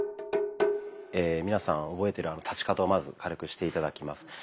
皆さん覚えてるあの立ち方をまず軽くして頂きます。